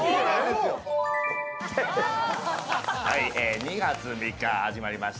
２月３日始まりました